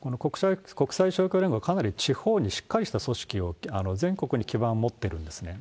国際勝共連合はかなり地方にしっかりした組織を、全国に基盤を持っているんですね。